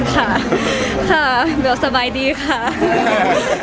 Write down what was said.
ค่ะเบลล์สบายดีค่ะ